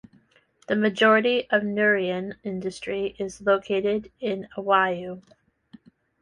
The majority of Nauruan industry is located in Aiwo.